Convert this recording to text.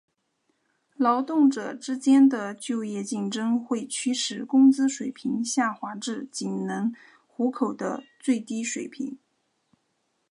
劳动者之间的就业竞争会驱使工资水平下滑至仅能糊口的最低水平。